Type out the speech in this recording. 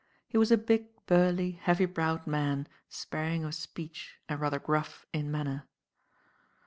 He was a big burly, heavy browed man, sparing of speech and rather gruff in manner.